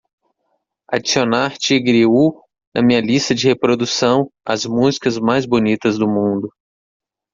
adicionar tigre hu na minha lista de reprodução As músicas mais bonitas do mundo